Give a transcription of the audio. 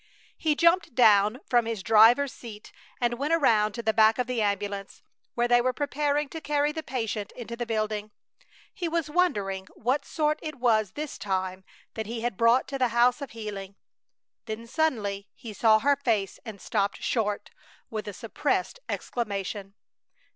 He jumped down from his driver's seat and went around to the back of the ambulance, where they were preparing to carry the patient into the building. He was wondering what sort it was this time that he had brought to the House of Healing. Then suddenly he saw her face and stopped short, with a suppressed exclamation.